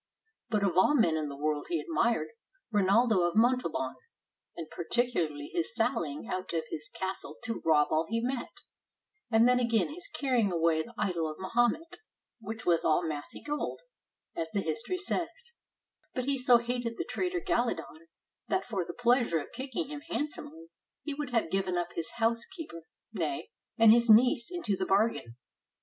But of all men in the world he admired Rinaldo of Montalban, and particularly his sallying out of his cas tle to rob all he met; and then again his carrying away the idol of Mahomet, which was all massy gold, as the history says; but he so hated that traitor Galadon, that for the pleasure of kicking him handsomely, he would have given up his housekeeper; nay, and his niece into the bargain.